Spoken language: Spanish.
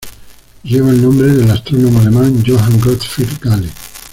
Lleva el nombre del astrónomo alemán Johann Gottfried Galle.